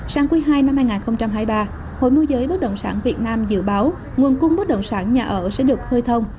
sang quý ii năm hai nghìn hai mươi ba hội mô giới bất động sản việt nam dự báo nguồn cung bất động sản nhà ở sẽ được khơi thông